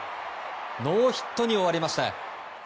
ノーヒットに終わりました。